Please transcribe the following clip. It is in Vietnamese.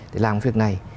để làm việc này